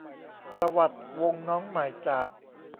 ประวัติวงน้องใหม่จาก